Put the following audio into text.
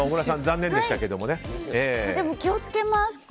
でも気を付けます。